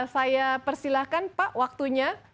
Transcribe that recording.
saya persilahkan pak waktunya